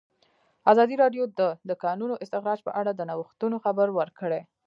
ازادي راډیو د د کانونو استخراج په اړه د نوښتونو خبر ورکړی.